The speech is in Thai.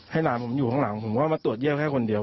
หลานผมอยู่ข้างหลังผมก็มาตรวจเยี่ยมแค่คนเดียว